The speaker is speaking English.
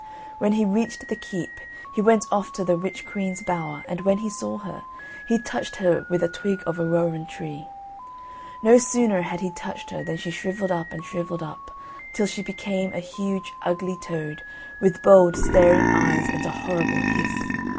When he reached the keep, he went off to the witch queen's bower, and when he saw her, he touched her with a twig of a rowan tree. No sooner had he touched her than she shrivelled up and shrivelled up, till she became a huge ugly toad, with bold staring eyes and a horrible hiss.